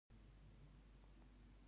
کېله له واټامینونو او منرالونو ډکه ده.